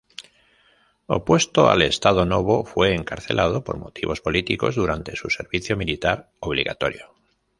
Opuesto al Estado Novo, fue encarcelado por motivos políticos durante su servicio militar obligatorio.